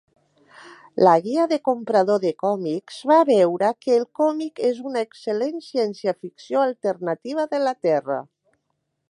La Guia de comprador de còmics va veure que el còmic és una excel·lent ciència ficció alternativa de la Terra.